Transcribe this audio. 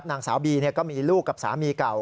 นางสาวบีก็มีลูกกับสามีเก่า